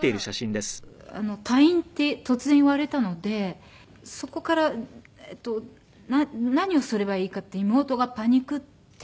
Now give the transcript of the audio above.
妹が退院って突然言われたのでそこから何をすればいいかって妹がパニクって。